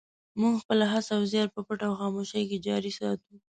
موږ خپله هڅه او زیار په پټه او خاموشۍ کې جاري ساتو.